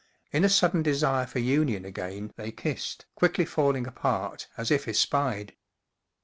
In a sudden desire for union again they kissed, quickly falling apart, as if espied.